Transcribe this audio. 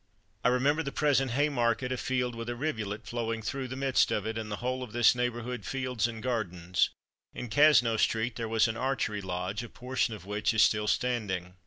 I remember the present Haymarket a field with a rivulet flowing through the midst of it, and the whole of this neighbourhood fields and gardens. In Cazneau street there was an archery lodge, a portion of which is still standing.